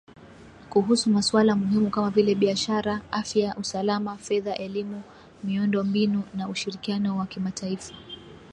Kuhusu masuala muhimu kama vile biashara , afya , usalama , fedha , elimu , miundo mbinu na ushirikiano wa kimataifa.